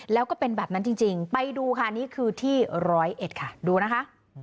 แล้วก็เป็นแบบนั้นจริงไปดูค่ะนี่คือที่ร้อยเอ็ดค่ะดูนะคะ